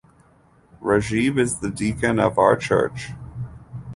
Rajib is the deacon of our church.